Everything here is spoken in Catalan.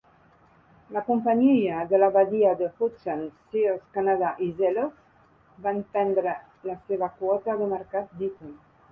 La companyia de la badia de Hudson, Sears Canada i Zellers van prendre la seva quota de mercat d'Eaton.